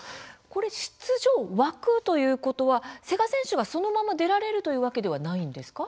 出場枠というと瀬賀選手がそのまま出られるわけではないですか？